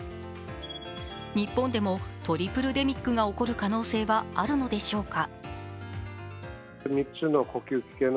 日本でもトリプルデミックが起こる可能性はあるのでしょうか。